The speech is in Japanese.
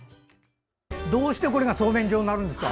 どうしてこれがそうめん状になるんですか。